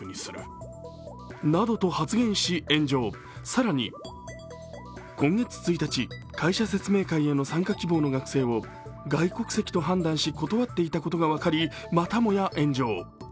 更に今月１日、会社説明会への参加希望の学生を外国籍と判断し、断っていたことが分かりまたもや炎上。